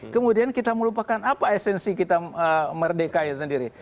kemudian kita melupakan apa esensi kita merdekanya sendiri